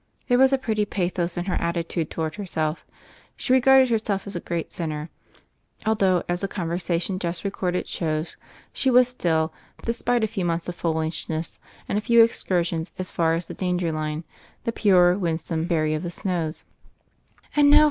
There was a pretty pathos in her atti tude toward herself. She regarded herself as a great sinner, although, as the conversation just recorded shows, she was still, despite a few months of foolishness and a few excursions as far as the danger line, the pure, winsome "Fairy of the Snows." "And now.